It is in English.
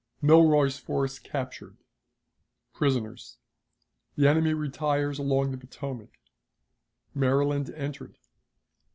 Milroy's Force captured. Prisoners. The Enemy retires along the Potomac. Maryland entered.